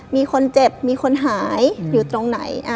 มีคนเจ็บมีคนหายอยู่ตรงไหน